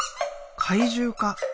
怪獣か？